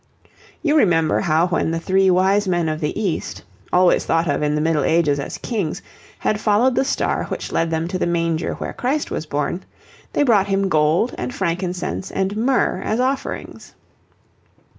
You remember how when the three Wise Men of the East always thought of in the Middle Ages as Kings had followed the star which led them to the manger where Christ was born, they brought Him gold and frankincense and myrrh as offerings.